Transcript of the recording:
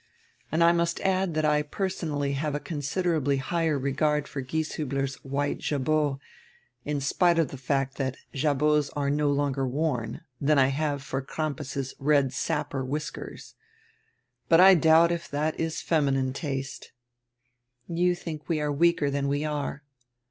And I nrust add that I personally have a considerably higher regard for Gies hubler's white jabot, in spite of the fact that jabots are no longer worn, than I have for Cranrpas's red sapper whiskers. But I doubt if that is feminine taste." "You think we are weaker than we are."